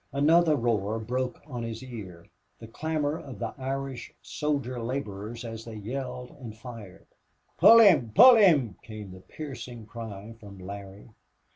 Another roar broke on his ear the clamor of the Irish soldier laborers as they yelled and fired. "Pull him! Pull him!" came the piercing cry from Larry.